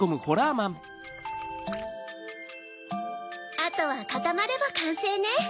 あとはかたまればかんせいね。